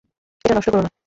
এটা নষ্ট কোরো না।